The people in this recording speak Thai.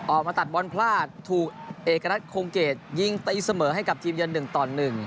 ออกมาตัดบอลพลาดถูกเอกรัฐคงเกรดยิงตีเสมอให้กับทีมเยือน๑ต่อ๑